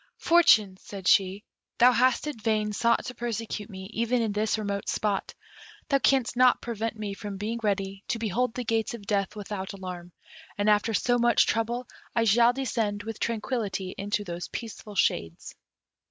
"Fortune," said she, "thou hast in vain sought to persecute me even in this remote spot; thou canst not prevent me from being ready to behold the gates of death without alarm, and after so much trouble I shall descend with tranquillity into those peaceful shades."